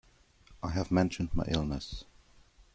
I have mentioned my illness.